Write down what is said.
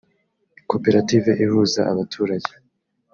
coperative ihuza abaturage.